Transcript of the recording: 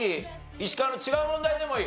石川の違う問題でもいい。